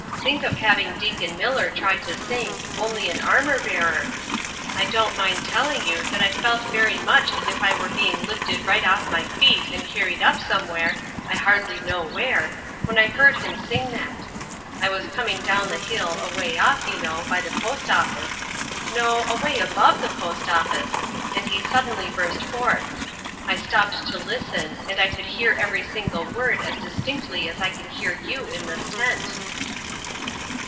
Think of having Deacon Miller try to sing, 'Only an armor bearer!' I don't mind telling you that I felt very much as if I were being lifted right off my feet and carried up somewhere, I hardly know where, when I heard him sing that. I was coming down the hill, away off, you know, by the post office no, away above the post office, and he suddenly burst forth. I stopped to listen, and I could hear every single word as distinctly as I can hear you in this tent."